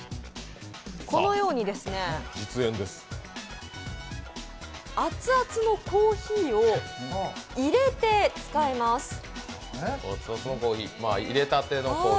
このように、熱々のコーヒーをいれて使えます。